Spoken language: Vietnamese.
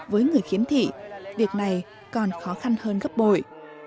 với người khiếm thị việc này còn khó khăn hơn gấp bội